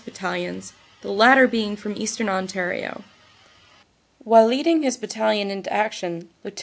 Battalions, the latter being from Eastern Ontario. While leading his Bat talion into action, Lt.